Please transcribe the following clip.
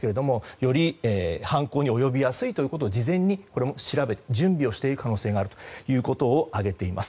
より犯行に及びやすいということを事前に調べ準備をしている可能性があることを挙げています。